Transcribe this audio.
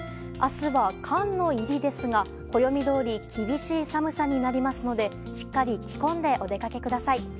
明日は寒の入りですが、暦どおり厳しい寒さになりますのでしっかり着込んでお出かけください。